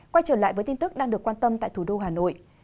quay trở lại với tin tức đang được quan tâm tại thủ đô hà nội